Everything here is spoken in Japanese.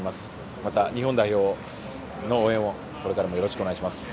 また、日本代表の応援をこれからもよろしくお願いします。